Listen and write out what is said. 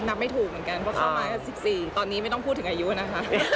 ไม่ถูกเหมือนกันเพราะเข้ามา๑๔ตอนนี้ไม่ต้องพูดถึงอายุนะคะ